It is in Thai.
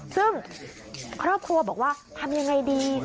ซึ่งครอบครัวบอกว่าทำยังไงดี